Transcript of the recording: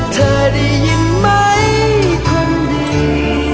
เธอได้ยินไหมคนดี